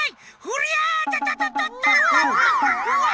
うわ！